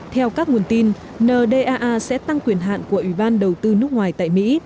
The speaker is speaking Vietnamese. theo các nguồn tin ndaa sẽ tăng quyền hạn của ủy ban đầu tư nước ngoài tại mỹ